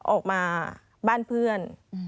ออกมาบ้านเพื่อน